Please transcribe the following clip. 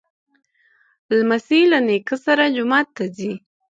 لمسی له نیکه سره جومات ته ځي.